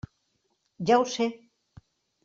Ja ho sé!